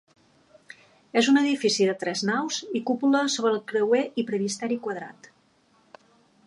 És un edifici de tres naus i cúpula sobre el creuer i presbiteri quadrat.